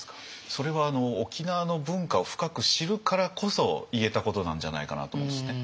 それは沖縄の文化を深く知るからこそ言えたことなんじゃないかなと思うんですね。